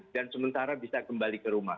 dan sementara bisa kembali ke rumah